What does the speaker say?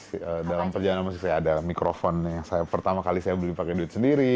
masih dalam perjalanan musik saya ada mikrofon yang pertama kali saya beli pakai duit sendiri